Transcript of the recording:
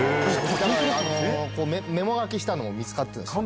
だからメモ書きしたのも見つかってるんですよ。